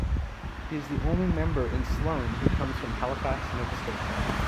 He is the only member in Sloan who comes from Halifax, Nova Scotia.